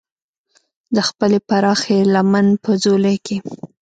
د خپلې پراخې لمن په ځولۍ کې.